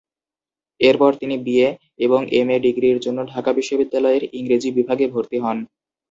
এরপরে তিনি বিএ এবং এমএ ডিগ্রির জন্য ঢাকা বিশ্ববিদ্যালয়ের ইংরেজি বিভাগে ভর্তি হন।